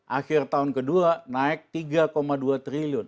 akhir tahun kedua naik tiga dua triliun